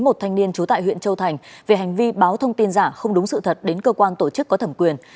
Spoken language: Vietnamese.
một thanh niên trú tại huyện châu thành về hành vi báo thông tin giả không đúng sự thật đến cơ quan tổ chức có thẩm quyền